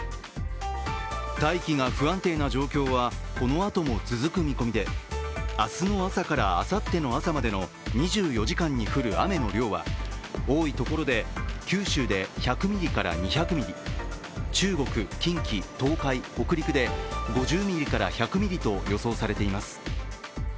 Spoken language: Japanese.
大気が不安定な状況はこのあとも続く見込みで明日の朝からあさっての朝までの２４時間に降る雨の量は多いところで九州で１００ミリから２００ミリ、中国、近畿、東海、北陸で５０ミリから１００ミリと予想されています。